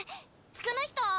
その人を。